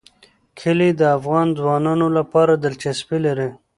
کلي د افغان ځوانانو لپاره دلچسپي لري.